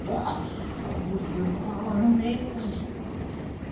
What a fool you are, Miggs!